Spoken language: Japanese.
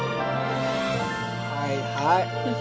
はいはい。